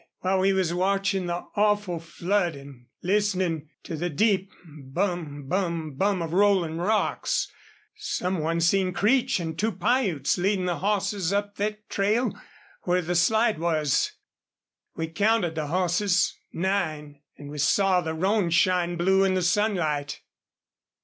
"While we was watchin' the awful flood an' listenin' to the deep bum bum bum of rollin' rocks some one seen Creech an' two Piutes leadin' the hosses up thet trail where the slide was. We counted the hosses nine. An' we saw the roan shine blue in the sunlight."